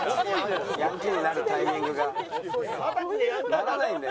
ヤンキーになるタイミングが。ならないんだよ